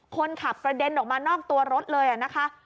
คนขับกระเด็นออกมานอกตัวรถเลยนะคะ